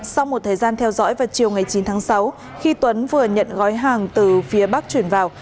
sau một thời gian theo dõi vào chiều ngày chín tháng sáu khi tuấn vừa nhận gói hàng từ phía bắc chuyển vào